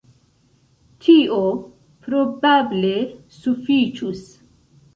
Tio probable sufiĉus.